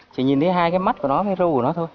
chỉ nhìn thấy hai cái mắt của nó với râu của nó thôi